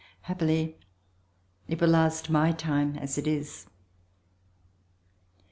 Happily it will last my time as it is.